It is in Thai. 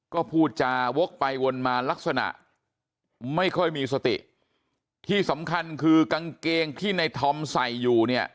ก็พูดจาวกไปวนมาลักษณะไม่ค่อยมีสติที่สำคัญคือกางเกงที่ในธอมใส่อยู่เนี่ย